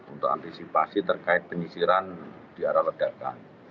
untuk antisipasi terkait penyisiran di arah ledakan